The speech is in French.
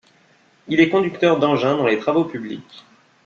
Il est conducteur d'engins dans les Travaux publics.